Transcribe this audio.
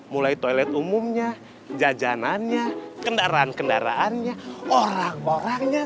mulai toilet umumnya jajanannya kendaraan kendaraannya orang orangnya